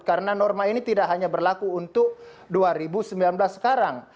karena norma ini tidak hanya berlaku untuk dua ribu sembilan belas sekarang